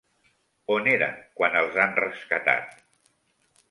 On eren quan els han rescatat?